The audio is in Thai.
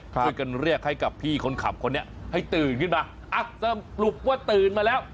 ช่วยกันเรียกให้กับพี่คนขับคนนี้ให้ตื่นขึ้นมาอ่ะสรุปว่าตื่นมาแล้ว